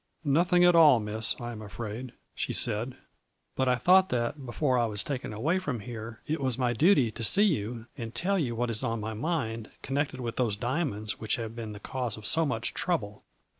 " 'Nothing at all, Miss, I am afraid, 'she said, 1 but I thought that before I was taken away from here it was my duty to see you and tell you what is on my mind, connected with those diamonds which have been the cause of so much trouble.